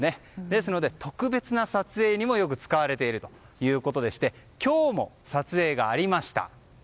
ですので、特別な撮影にもよく使われているということで今日も撮影がありました。